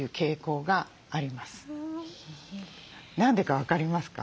何でか分かりますか？